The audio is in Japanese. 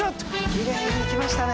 きれいにいきましたね